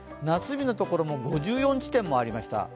夏日の所も５４地点もありました。